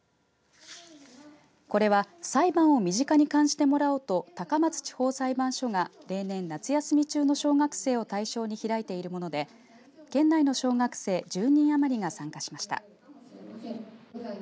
これは裁判を身近に感じてもらおうと高松地方裁判所が例年夏休み中の小学生を対象に開いているもので県内の小学生１０人余りが参加しました。